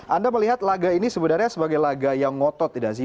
anda melihat laga ini sebenarnya sebagai laga yang ngotot tidak sih